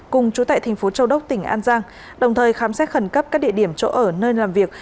cùng chú tại thành phố châu đốc tỉnh an giang đồng thời khám xét khẩn cấp các địa điểm chỗ ở nơi làm việc